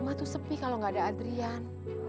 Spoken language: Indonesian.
rumah tuh sepi kalo gak ada adrian